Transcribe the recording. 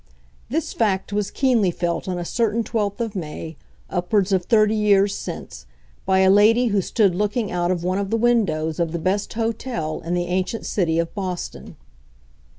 This fact was keenly felt on a certain 12th of May, upwards of thirty years since, by a lady who stood looking out of one of the windows of the best hotel in the ancient city of Boston.